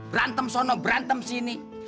berantem sana berantem sini